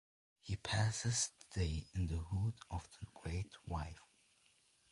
He passes the day in the hut of the great wife.